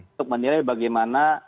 untuk menilai bagaimana